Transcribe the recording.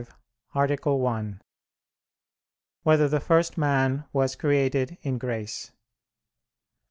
95, Art. 1] Whether the First Man Was Created in Grace?